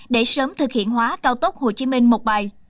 để sớm thực hiện hóa cao tốc hồ chí minh một bài